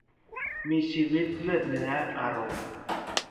มีชีวิต เลือดเนื้อ อารมณ์